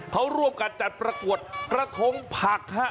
เขาร่วมกันจัดประกวดกระทงผักฮะ